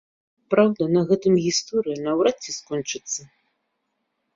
Праўда, на гэтым гісторыя наўрад ці скончыцца.